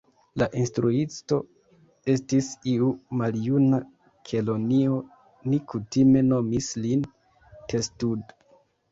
La instruisto estis iu maljuna kelonio ni kutime nomis lin Testud.